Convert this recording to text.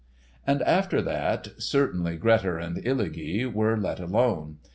And after that, certainly Grettir and Illugi were let alone.